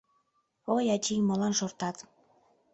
Ой, ачий, молан шортат?